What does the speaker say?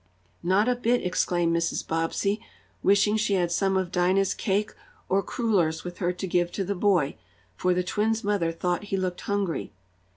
"Not a bit!" exclaimed Mrs. Bobbsey, wishing she had some of Dinah's cake or crullers with her to give to the boy, for the twins' mother thought he looked hungry.